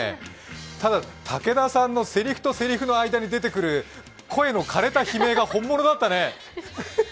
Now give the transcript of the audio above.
ただ、武田さんのせりふとせりふの間に出てくる声のかれた悲鳴が本物だったね。